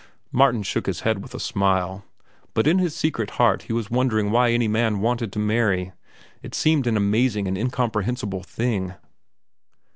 Martin shook his head with a smile, but in his secret heart he was wondering why any man wanted to marry. It seemed an amazing and incomprehensible thing.